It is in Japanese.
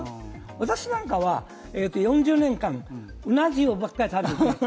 私なんかは、４０年間、うな重ばかり食べていました。